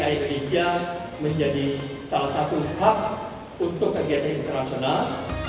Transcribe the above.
indonesia menjadi salah satu hak untuk kegiatan internasional